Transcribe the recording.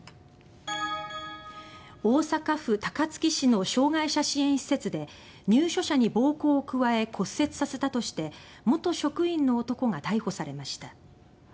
大阪府高槻市の障害者支援施設で入所者に暴行を加え骨折させたとして元職員の男が逮捕されました。